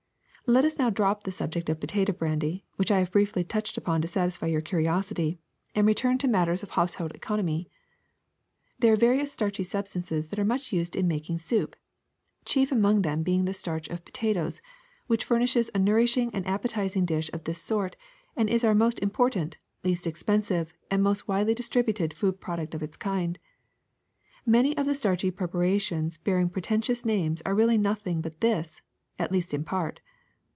^^Let us now drop the subject of potato brandy, which I have briefly touched upon to satisfy your curiosity, and return to matters of household econ omy. There are various starchy substances that are much used in making soup, chief among them being the starch of potatoes, which furnishes a nourishing and appetizing dish of this sort and is our most im portant, least expensive, and most widely distributed food product of its kind. Many of the starchy prep arations bearing pretentious names are really noth ing but this, at least in part.